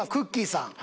さん